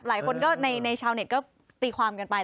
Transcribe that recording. หลายคนก็ในชาวเน็ตก็ตีความกันไป